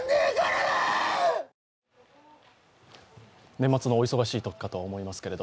年末のお忙しいときかとは思いますけど